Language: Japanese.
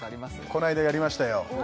この間やりましたよ